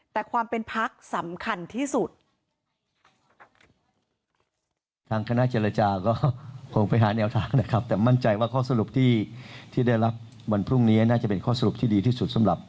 แต่ความเป็นพักสำคัญที่สุด